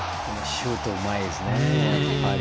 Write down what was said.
シュートうまいですね。